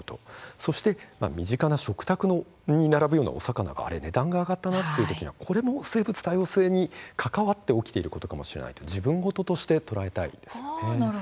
そして身近な食卓に並ぶような魚の値段が上がったときにはこれも生物多様性に関わって起きることかもしれないと自分のこととしてとらえたいですね。